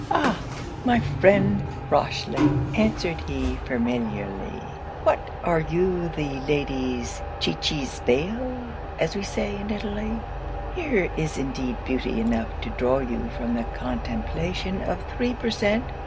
'Ah! my friend Rochely!' answered he familiarly, 'what are you the lady's Cicisbeo? as we say in Italy. Here is indeed beauty enough to draw you from the contemplation of three per cent.